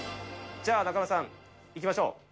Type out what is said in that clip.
じゃあ、中丸さん、いきましょう。